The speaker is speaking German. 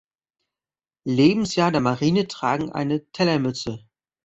Lebensjahr der Marine tragen eine Tellermütze.